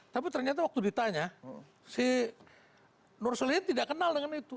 tapi ternyata waktu ditanya si nur solihin tidak kenal dengan itu